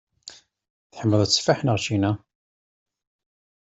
Tḥemmleḍ tteffaḥ neɣ ččina?